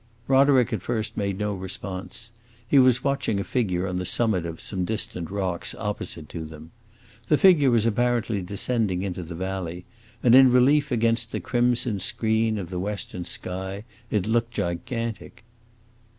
Roderick at first made no response. He was watching a figure on the summit of some distant rocks, opposite to them. The figure was apparently descending into the valley, and in relief against the crimson screen of the western sky, it looked gigantic.